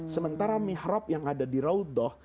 sementara mihrab yang ada di rauddoh